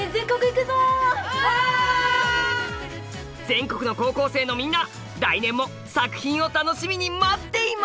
全国の高校生のみんな来年も作品を楽しみに待っています！